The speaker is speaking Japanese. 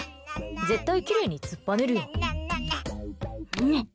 絶対きれいにつっぱねるよ。